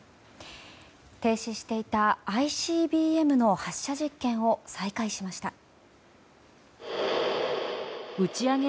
停止していたＩＣＢＭの発射実験を再開しました。